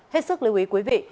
hết sức lưu ý quý vị